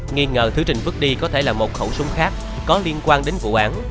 nghi ngờ thứ trình vứt đi có thể là một khẩu súng khác có liên quan đến vụ án